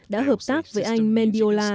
đã hợp tác với anh mendiola